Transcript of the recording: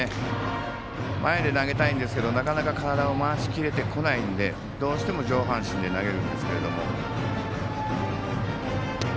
前で投げたいんですけどなかなか体を回しきれてないんでどうしても上半身で投げるんですけども。